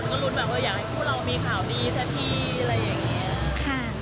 คุณก็รุ้นแบบอยากให้คู่เรามีข่าวดีซะทีอะไรอย่างนี้